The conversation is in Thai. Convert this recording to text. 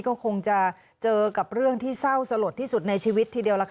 ก็คงจะเจอกับเรื่องที่เศร้าสลดที่สุดในชีวิตทีเดียว